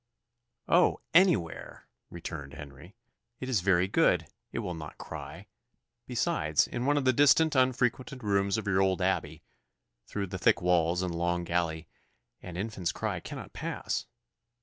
"Oh! anywhere," returned Henry. "It is very good it will not cry. Besides, in one of the distant, unfrequented rooms of your old abbey, through the thick walls and long gallery, an infant's cry cannot pass.